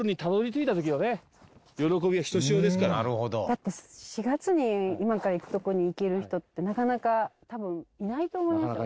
だって４月に今から行くとこに行ける人ってなかなか多分いないと思いますよ。